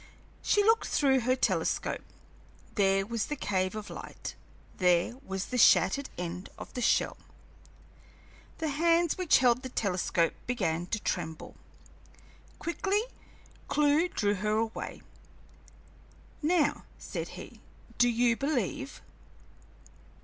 She looked through her telescope. There was the cave of light; there was the shattered end of the shell. The hands which held the telescope began to tremble. Quickly Clewe drew her away. "Now," said he, "do you believe?"